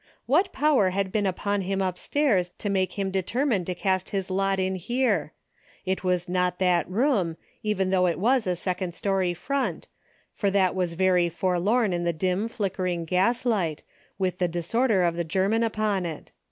What power had been upon him upstairs to make him determine to cast his lot in here ? It was not that room, even though DAILY RATE!' 157 it was a second story front, for that was very forlorn in the dim flickering gaslight, with the disorder of the German upon it.